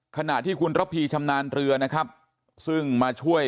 ขณะที่คุณระพีชำนาญเรือนะครับซึ่งมาช่วย